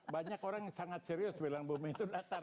banyak orang yang sangat serius bilang bumi itu datar